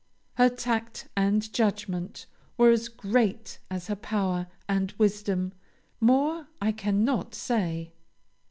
Her tact and judgment were as great as her power and wisdom; more I cannot say.